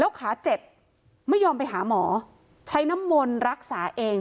ขาเจ็บไม่ยอมไปหาหมอใช้น้ำมนต์รักษาเอง